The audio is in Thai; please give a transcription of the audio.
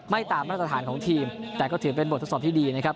ตามมาตรฐานของทีมแต่ก็ถือเป็นบททดสอบที่ดีนะครับ